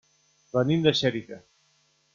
Venim de Xèrica.